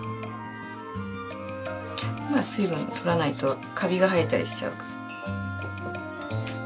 まあ水分取らないとカビが生えたりしちゃうから。